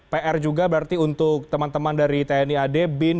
pr juga berarti untuk teman teman dari tni ad bin